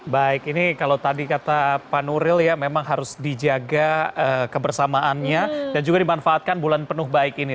baik ini kalau tadi kata pak nuril ya memang harus dijaga kebersamaannya dan juga dimanfaatkan bulan penuh baik ini